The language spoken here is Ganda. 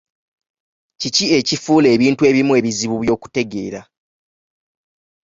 Kiki ekifuula ebintu ebimu ebizibu by'okutegeera?